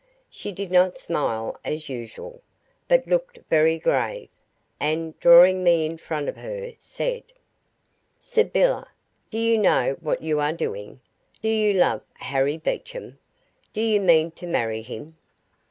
She did not smile as usual, but looked very grave, and, drawing me in front of her, said: "Sybylla, do you know what you are doing? Do you love Harry Beecham? Do you mean to marry him?"